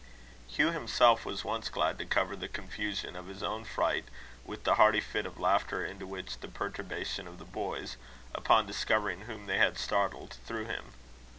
Hugh himself was once glad to cover the confusion of his own fright with the hearty fit of laughter into which the perturbation of the boys, upon discovering whom they had startled, threw him.